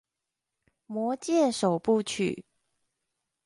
魔戒首部曲